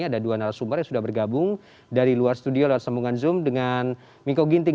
ada dua narasumber yang sudah bergabung dari luar studio lewat sambungan zoom dengan miko ginting